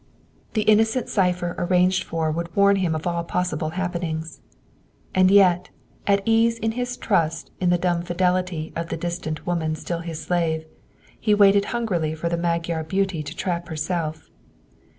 The innocent cipher arranged for would warn him of all possible happenings. And yet, at ease in his trust in the dumb fidelity of the distant woman still his slave, he waited hungrily for the Magyar beauty to trap herself.